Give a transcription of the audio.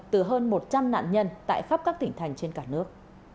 từ hơn một trăm linh nạn nhân tại khắp các tỉnh thành trên cả nước